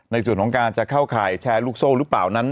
ในส่วนของการจะเข้าข่ายแชร์ลูกโซ่หรือเปล่านั้น